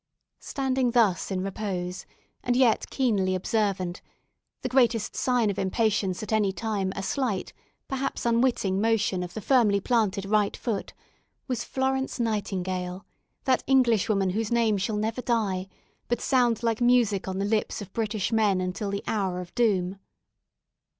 Standing thus in repose, and yet keenly observant the greatest sign of impatience at any time[B] a slight, perhaps unwitting motion of the firmly planted right foot was Florence Nightingale that Englishwoman whose name shall never die, but sound like music on the lips of British men until the hour of doom.